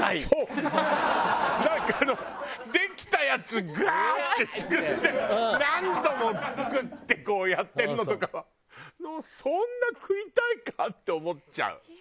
なんかあのできたやつガーッてすくって何度もすくってこうやってるのとかはそんな食いたいか？って思っちゃう。